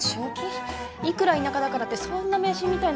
いくら田舎だからってそんな迷信みたいなこと。